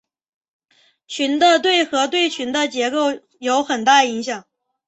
群的对合对群的结构有很大影响。